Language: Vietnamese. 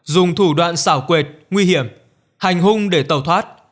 dùng thủ đoạn xảo quyệt nguy hiểm hành hung để tàu thoát